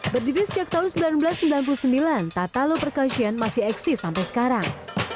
berdiri sejak tahun seribu sembilan ratus sembilan puluh sembilan tatalo percusian masih eksis sampai sekarang